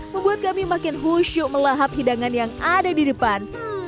membuat kami makin husyuk melahap hidangan yang ada di depan